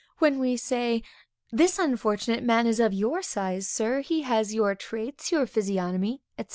When we say; This unfortunate man is of your size, sir; he has your traits, your physiognomy, &c.